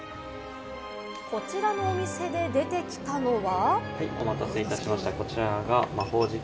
こちらのお店で出てきたのは。